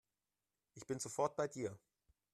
Ich bin sofort bei dir.